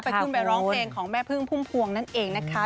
ขึ้นไปร้องเพลงของแม่พึ่งพุ่มพวงนั่นเองนะคะ